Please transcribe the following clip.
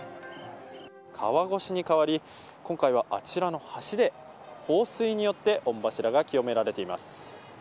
川越しに代わり今回は、あちらの橋で放水によって御柱が清められています。